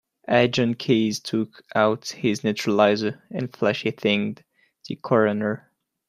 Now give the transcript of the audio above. Agent Keys took out his neuralizer and flashy-thinged the coroner.